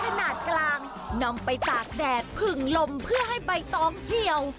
ขนาดกลางนำไปตากแดดผึ่งลมเพื่อให้ใบตองเหี่ยว